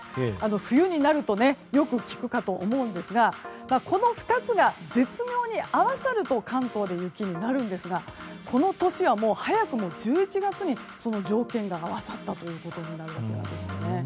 冬になるとよく聞くかと思うんですがこの２つが絶妙に合わさると関東で雪になるんですがこの年は早くも１１月にその条件が合わさったことになるんです。